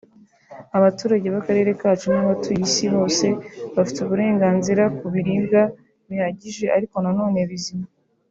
Abaturage b’akarere kacu n’abatuye Isi bose bafite uburenganzira ku biribwa bihagije ariko na none bizima